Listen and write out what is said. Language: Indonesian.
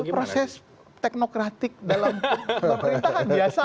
proses teknokratik dalam pemerintahan